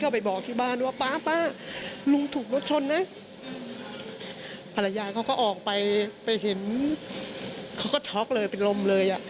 ภรรยาเขาก็ออกไปไปเห็นเขาก็ช็อกเลยเป็นลมเลย